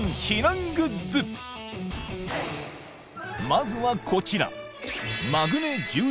まずはこちら！